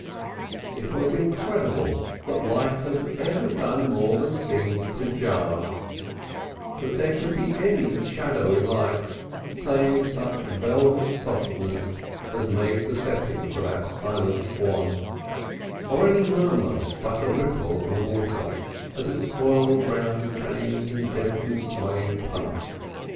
It was incredible that life has ever done more than seemed to jar, that there could be any shadow in life save such velvet softnesses as made the setting for that silent swan, or any murmur but the ripple of the water as it swirled round the chained and gently swaying punt.